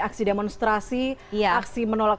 aksi demonstrasi aksi menolak